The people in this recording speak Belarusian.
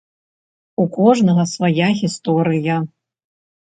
У кожнага свая гісторыя.